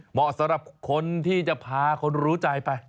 เหมาะสำหรับคนที่จะพาคนรู้ใจไป